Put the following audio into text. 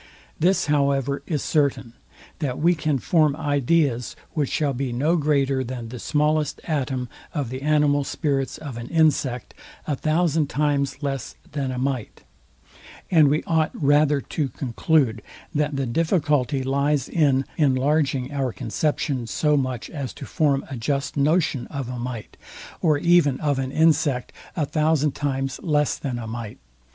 This however is certain, that we can form ideas, which shall be no greater than the smallest atom of the animal spirits of an insect a thousand times less than a mite: And we ought rather to conclude, that the difficulty lies in enlarging our conceptions so much as to form a just notion of a mite, or even of an insect a thousand times less than a mite.